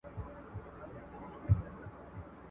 دوی ګومان کوي پر ټول جهان تیاره ده ..